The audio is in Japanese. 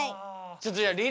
ちょっとじゃあり